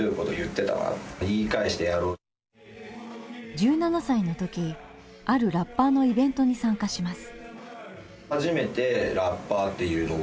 １７歳のときあるラッパーのイベントに参加します。